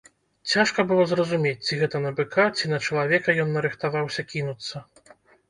Цяжка было зразумець, ці гэта на быка, ці на чалавека ён нарыхтаваўся кінуцца.